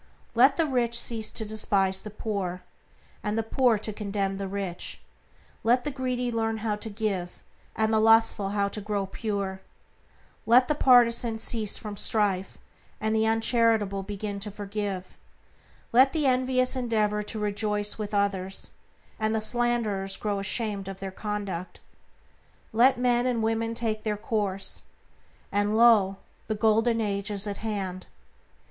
Let the rich cease to despise the poor, and the poor to condemn the rich; let the greedy learn how to give, and the lustful how to grow pure; let the partisan cease from strife, and the uncharitable begin to forgive; let the envious endeavor to rejoice with others, and the slanderers grow ashamed of their conduct. Let men and women take this course, and, lo! the Golden Age is at hand.